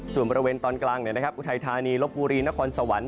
ส่วนบริเวณตอนกลางอุทัยธานีลบบุรีนครสวรรค์